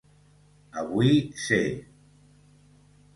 Avui ser